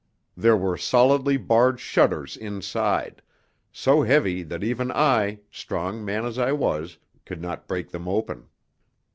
There were solidly barred shutters inside, so heavy that even I, strong man as I was, could not break them open.